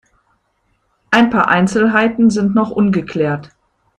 Ein paar Einzelheiten sind noch ungeklärt.